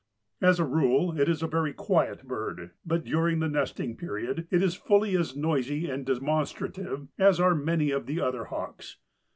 As a rule it is a very quiet bird, but during the nesting period it is fully as noisy and demonstrative as are many of the other hawks.